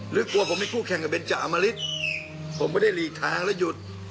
กลัวผมมีคู่แข่งกับเบนจาอมริตผมไม่ได้หลีกทางแล้วหยุด